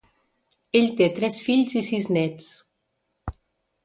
Ell té tres fills i sis néts.